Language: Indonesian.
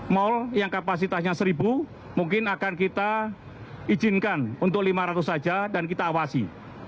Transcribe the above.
mal yang kapasitasnya seribu mungkin akan kita izinkan untuk lima ratus saja dan kita awasi